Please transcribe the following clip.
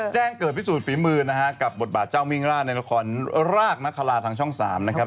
แจ้งเกิดพิสูจนฝีมือนะฮะกับบทบาทเจ้ามิ่งร่าในละครรากนคราทางช่อง๓นะครับ